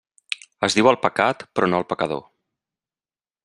Es diu el pecat, però no el pecador.